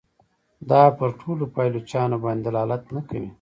دا پر ټولو پایلوچانو باندي دلالت نه کوي.